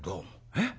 えっ？